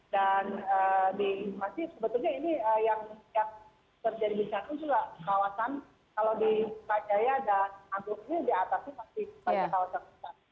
dan di masih sebetulnya ini yang terjadi misalnya itu adalah kawasan kalau di pak jaya dan agung ini di atas itu masih banyak kawasan besar